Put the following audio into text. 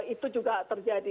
itu juga terjadi